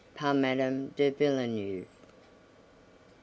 Par Madame de Villeneuve.